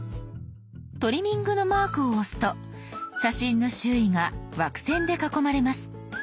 トリミングのマークを押すと写真の周囲が枠線で囲まれます。